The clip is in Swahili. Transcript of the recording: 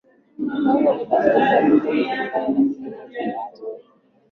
mipangilio ya ubadilishaji wa vikundi kulingana na kipimo cha data